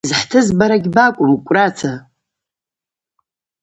Йызхӏтыз бара гьбакӏвым, Кӏвраца.